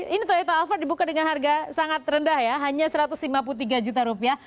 ini toyota alphard dibuka dengan harga sangat rendah ya hanya satu ratus lima puluh tiga juta rupiah